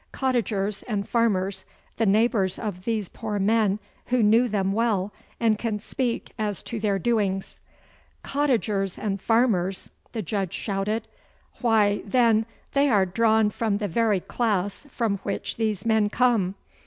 Cottagers and farmers, the neighbours of these poor men, who knew them well, and can speak as to their doings.' 'Cottagers and farmers!' the Judge shouted. 'Why, then, they are drawn from the very class from which these men come.